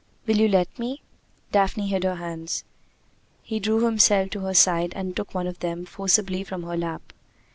"Will you let me?" Daphne hid her hands. He drew himself to her side and took one of them forcibly from her lap.